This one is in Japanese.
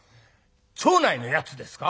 町内のやつですか？」。